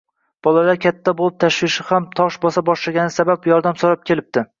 Bolalari katta bo‘lib, tashvishi ham tosh bosa boshlagani sabab yordam so‘rab kelbdi